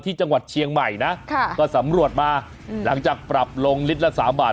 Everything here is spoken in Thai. ที่จังหวัดเชียงใหม่นะก็สำรวจมาหลังจากปรับลงลิตรละ๓บาท